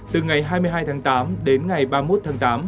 từ ngày hai mươi hai tháng tám đến ngày ba mươi một tháng tám